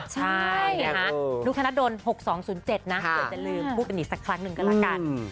ใช่ค่ะนุกธนดล๖๒๐๗นะเผื่อจะลืมพูดกันอีกสักครั้งหนึ่งก็แล้วกัน